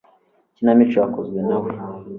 Ikinamico yakozwe na we